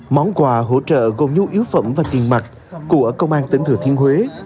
món quà hỗ trợ gồm nhu yếu phẩm và tiền mặt của công an tỉnh thừa thiên huế